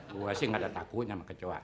gua sih nggak ada takut sama kecoa